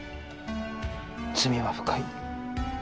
罪は深い。